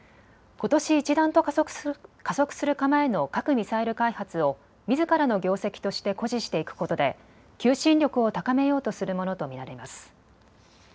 ことし一段と加速する構えの核・ミサイル開発をみずからの業績として誇示していくことで求心力を高めようとするものと見られます。